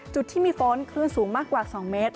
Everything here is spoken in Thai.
จุดที่มีฝนคลื่นสูงมากกว่า๒เมตร